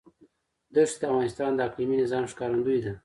دښتې د افغانستان د اقلیمي نظام ښکارندوی ده.